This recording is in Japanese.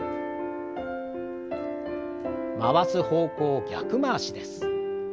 回す方向を逆回しです。